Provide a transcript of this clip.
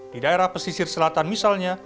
di daerah pesisir selatan misalnya